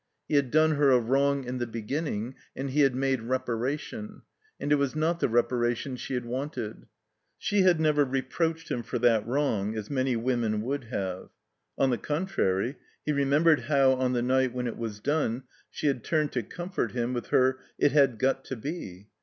He had done her a wrong in the beginning and he had made reparation, and it was not the reparation she had wanted. She had never reproached him for that wrong as many women would have; on the con trary, he remembered how, on the night when it was done, she had turned to comfort him with her "It had got to be."